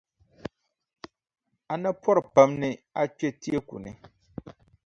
A na pɔri pam ni a kpe teeku ni.